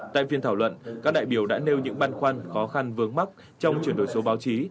tại phiên thảo luận các đại biểu đã nêu những băn khoăn khó khăn vướng mắt trong chuyển đổi số báo chí